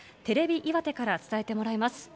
テレビ岩手から伝えてもらいます。